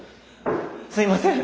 すいません！